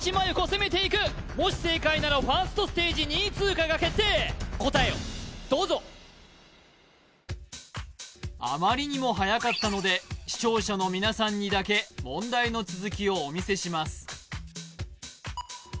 攻めていくもし正解ならファーストステージ２位通過が決定答えをどうぞあまりにもはやかったので視聴者の皆さんにだけ問題の続きをお見せします